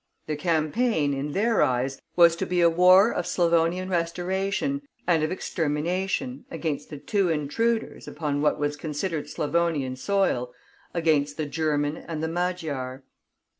The campaign, in their eyes, was to be a war of Slavonian restoration and of extermination, against the two intruders, upon what was considered Slavonian soil, against the German and the Magyar.